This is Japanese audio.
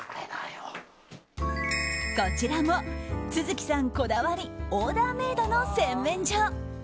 こちらも續さんこだわりオーダーメイドの洗面所。